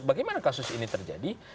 bagaimana kasus ini terjadi